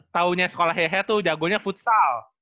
tahunya sekolah he he tuh jagonya futsal